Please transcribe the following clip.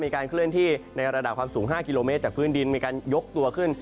เคลื่อนที่ในระดับความสูง๕กิโลเมตรจากพื้นดินมีการยกตัวขึ้น